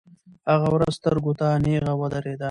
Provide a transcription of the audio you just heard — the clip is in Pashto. هغه ورځ سترګو ته نیغه ودرېده.